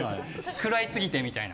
くらいすぎてみたいな。